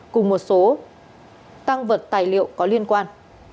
cùng một số tăng vật tài liệu có liên quan